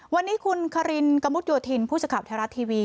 วันนี้คุณคารินกะมุดโยธินผู้สถาบันทรัฐทีวี